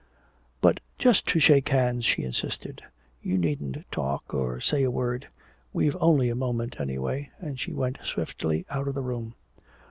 "But just to shake hands," she insisted. "You needn't talk or say a word. We've only a moment, anyway." And she went swiftly out of the room.